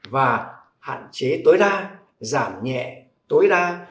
và hạn chế tối đa giảm nhẹ tối đa